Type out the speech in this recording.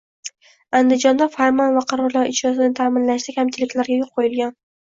Andijonda farmon va qarorlar ijrosini ta’minlashda kamchiliklarga yo‘l qo‘yilgan